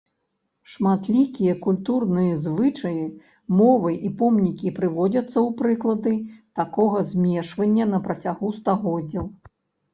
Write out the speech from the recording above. Шматлікія культурныя звычаі, мовы і помнікі прыводзяцца ў прыклады такога змешвання на працягу стагоддзяў.